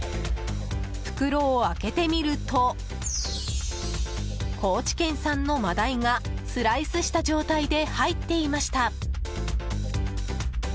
袋を開けてみると高知県産の真鯛がスライスした状態で入っていました。